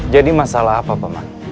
jadi masalah apa pak man